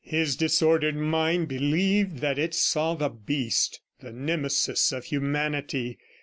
His disordered mind believed that it saw the Beast, the Nemesis of humanity.